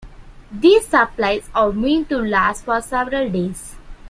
These supplies are meant to last for several days.